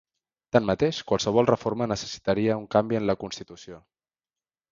Tanmateix qualsevol reforma necessitaria un canvi en la Constitució.